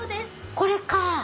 これか！